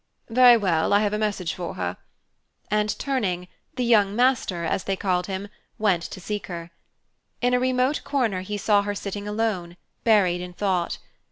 "Very well, I have a message for her"; and, turning, the "young master," as they called him, went to seek her. In a remote corner he saw her sitting alone, buried in thought.